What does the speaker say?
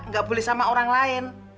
gak boleh sama orang lain